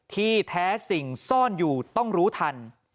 ที่แท้สิ่งซ่อนอยู่ต้องรู้ทัน